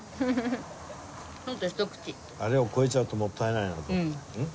あれを超えちゃうともったいないのでん？